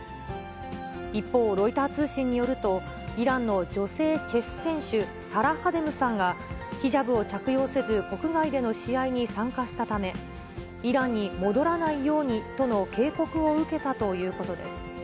一方、ロイター通信によると、イランの女性チェス選手、サラ・ハデムさんが、ヒジャブを着用せず、国外での試合に参加したため、イランに戻らないようにとの警告を受けたということです。